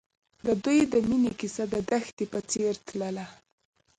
د دوی د مینې کیسه د دښته په څېر تلله.